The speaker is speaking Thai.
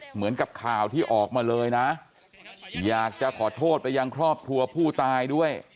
เหมือนกับข่าวที่ออกมาเลยนะอยากจะขอโทษไปยังครอบครัวผู้ตายด้วย